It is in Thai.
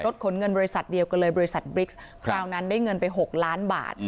ขนเงินบริษัทเดียวกันเลยบริษัทบริกซ์คราวนั้นได้เงินไป๖ล้านบาท